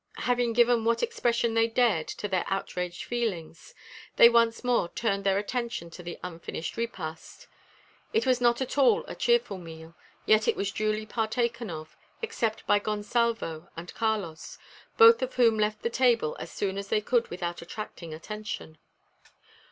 Having given what expression they dared to their outraged feelings, they once more turned their attention to the unfinished repast. It was not at all a cheerful meal, yet it was duly partaken of, except by Gonsalvo and Carlos, both of whom left the table as soon as they could without attracting attention.